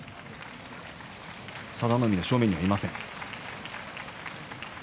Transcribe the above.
佐田の海を正面に置きません。